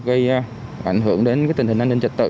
gây ảnh hưởng đến tình hình an ninh trật tự